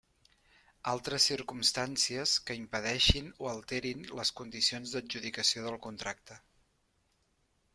Altres circumstàncies que impedeixin o alterin les condicions d'adjudicació del contracte.